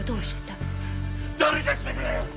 誰か来てくれ！